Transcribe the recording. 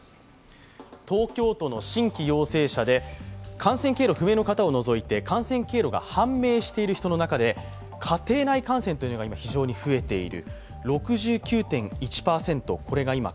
東京都の新規陽性者で感染経路不明の方を除いて感染経路が判明している人の中で家庭内感染というのが今非常に増えている。